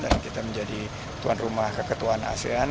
dan kita menjadi tuan rumah keketuhan asean